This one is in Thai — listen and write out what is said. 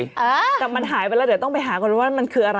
แต่มันหายไปแล้วเดี๋ยวต้องไปหาก่อนว่ามันคืออะไร